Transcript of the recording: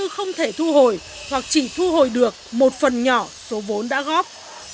không thể thu hồi hoặc chỉ thu hồi được một phần nhỏ số vốn đã góp